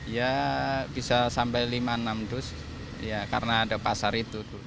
ya bisa sampai lima enam dus ya karena ada pasar itu